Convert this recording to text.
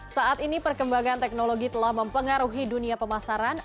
saat ini perkembangan teknologi telah mempengaruhi dunia pemasaran